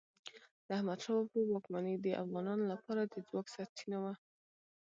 د احمد شاه بابا واکمني د افغانانو لپاره د ځواک سرچینه وه.